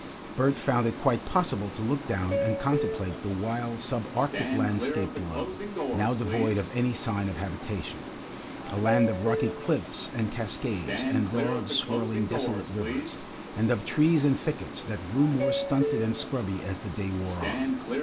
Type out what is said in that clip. Bert found it quite possible to look down and contemplate the wild sub arctic landscape below, now devoid of any sign of habitation, a land of rocky cliffs and cascades and broad swirling desolate rivers, and of trees and thickets that grew more stunted and scrubby as the day wore on.